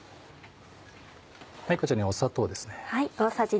こちらに砂糖ですね。